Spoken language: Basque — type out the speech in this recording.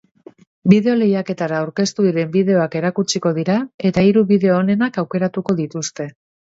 Bideo lehiaketara aurkeztu diren bideoak erakutsiko dira eta hiru bideo onenak aukeratuko dituzte.